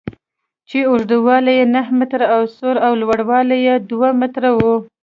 چې اوږدوالی یې نهه متره او سور او لوړوالی یې دوه متره و.